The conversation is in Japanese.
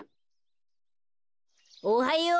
・おはよう。